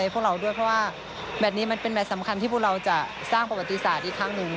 พวกเราด้วยเพราะว่าแมทนี้มันเป็นแมทสำคัญที่พวกเราจะสร้างประวัติศาสตร์อีกครั้งหนึ่ง